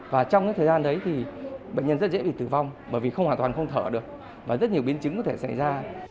và trong cái thời gian đấy thì bệnh nhân rất dễ bị tử vong bởi vì không hoàn toàn không thở được và rất nhiều biến chứng có thể xảy ra